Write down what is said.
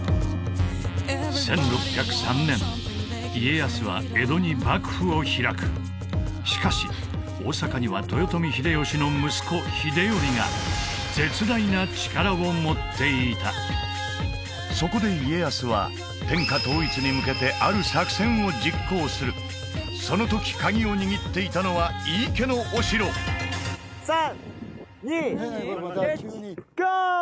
１６０３年家康は江戸に幕府を開くしかし大坂には豊臣秀吉の息子秀頼が絶大な力を持っていたそこで家康は天下統一に向けてある作戦を実行するその時カギを握っていたのは井伊家のお城あ！